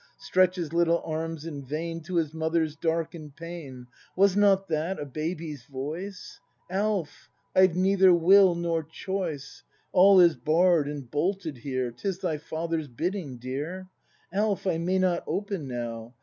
Stretches little arms in vain To his mother's darken'd pane. Was not that a baby's voice ? Alf, I've neither will nor choice! All is barr'd and bolted here. 'Tis thy father's bidding, dear! Alf, I may not open now!